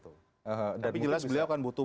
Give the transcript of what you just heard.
tapi jelas beliau kan butuh